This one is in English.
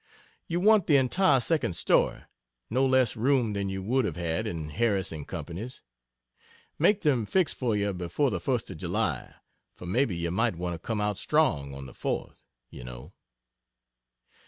You want the entire second story no less room than you would have had in Harris and Co's. Make them fix for you before the 1st of July for maybe you might want to "come out strong" on the 4th, you know.